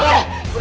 mama gak takut